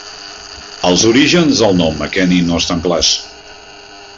Els orígens del nom Makeni no estan clars.